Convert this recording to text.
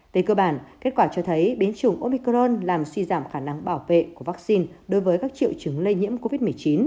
về cơ bản kết quả cho thấy biến chủng omicron làm suy giảm khả năng bảo vệ của vaccine đối với các triệu chứng lây nhiễm covid một mươi chín